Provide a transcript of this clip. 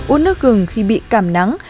uống nước gừng khi bị cảm nắng